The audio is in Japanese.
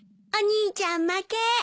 お兄ちゃん負け。